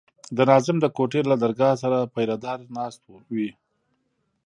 د ناظم د کوټې له درګاه سره پيره دار ناست وي.